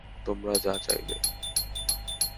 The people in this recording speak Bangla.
তোমার যা চাইবে।